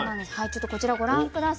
ちょっとこちらご覧下さい。